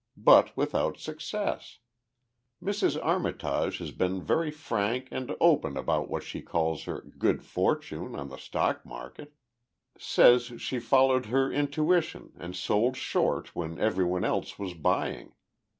But without success. Mrs. Armitage has been very frank and open about what she calls her 'good fortune' on the stock market. Says she followed her intuition and sold short when everyone else was buying.